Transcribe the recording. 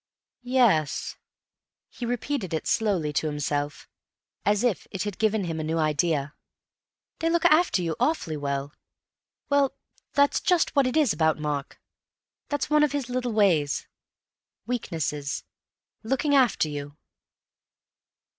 "Yes." He repeated it slowly to himself, as if it had given him a new idea: "They look after you awfully well. Well, that's just what it is about Mark. That's one of his little ways. Weaknesses. Looking after you."